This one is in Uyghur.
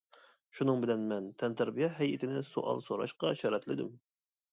شۇنىڭ بىلەن مەن تەنتەربىيە ھەيئىتىنى سوئال سوراشقا شەرەتلىدىم.